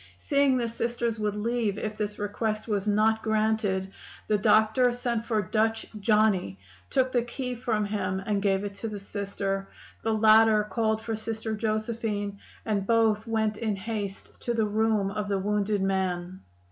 "Seeing the Sisters would leave if this request was not granted, the doctor sent for 'Dutch Johnny,' took the key from him and gave it to the Sister. The latter called for Sister Josephine, and both went in haste to the room of the wounded man.